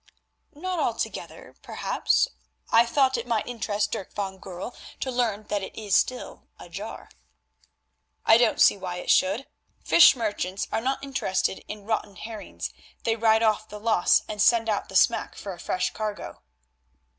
"Not altogether perhaps. I thought it might interest Dirk van Goorl to learn that it is still ajar." "I don't see why it should. Fish merchants are not interested in rotten herrings; they write off the loss and send out the smack for a fresh cargo."